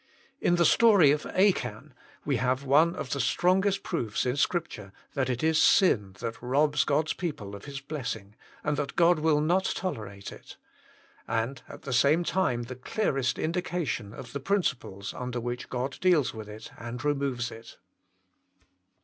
In the story of Achan we have one of the strongest proofs in Scripture that it is sin that robs G od s people of His blessing, and that God will not tolerate it; and at the same time the clearest indication of the principles under which God deals with it, and removes it.